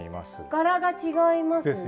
柄が違いますね。